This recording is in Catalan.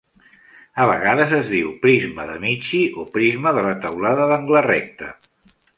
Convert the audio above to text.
A vegades es diu prisma d'Amici o prisma de la teulada d'angle recte.